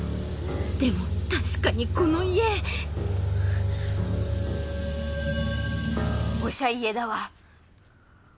でも確かにこの家おしゃ家だわ！